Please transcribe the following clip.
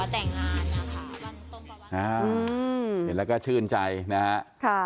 เห็นแล้วก็ชื่นใจนะค่ะ